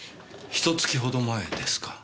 ひと月ほど前ですか。